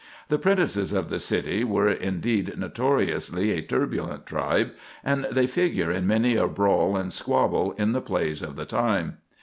The 'prentices of the city were indeed notoriously a turbulent tribe, and they figure in many a brawl and squabble in the plays of the time.